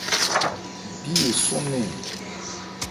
Bí esɔ́n nɛɛn ɛ ?